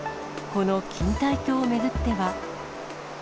この錦帯橋を巡っては。